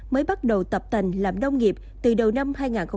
mới bắt đầu tập tành làm nông nghiệp từ đầu năm hai nghìn một mươi chín